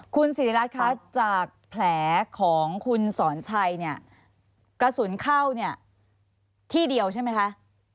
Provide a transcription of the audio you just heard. คุณสิริรัตน์คะจากแผลของคุณสอนชัยเนี่ยกระสุนเข้าเนี่ยที่เดียวใช่ไหมคะ